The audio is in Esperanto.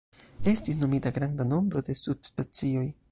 Estis nomita granda nombro de subspecioj.